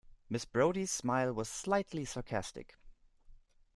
Miss Brodie's smile was slightly sarcastic.